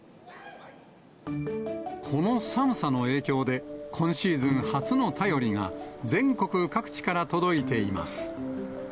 この寒さの影響で、今シーズン初の便りが、全国各地から届いています。